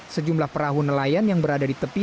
sejumlah perahu nelayan yang berada di tepi